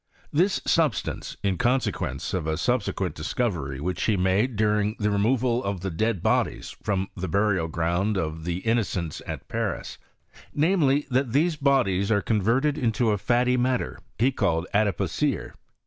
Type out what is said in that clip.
This substance, in consequence of a sub sequent discovery which he made during the removal of the dead bodies from the burial ground of the Innocents at Paris ; namely, that these bodies are converted into a fatty matter, he called adipocire.